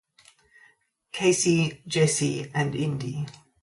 Casey, Jesse, and Indi.